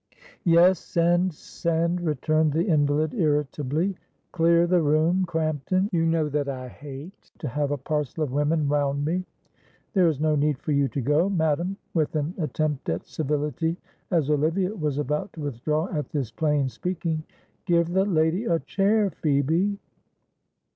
"Yes send send," returned the invalid, irritably. "Clear the room, Crampton. You know that I hate to have a parcel of women round me. There is no need for you to go, madam" with an attempt at civility as Olivia was about to withdraw at this plain speaking. "Give the lady a chair, Phoebe."